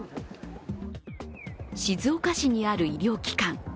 静岡市にある医療機関。